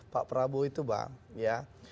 pak prabowo itu bang ya